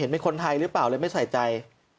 เป็นคนไทยหรือเปล่าเลยไม่ใส่ใจ